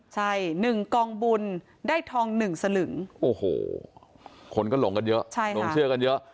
ใช่๑กองบุญได้ทอง๑สลึงโอ้โหคนก็หลงกันเยอะหลงเชื่อกันเยอะ